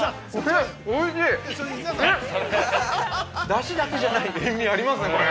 だしだけじゃない塩味ありますねこれ。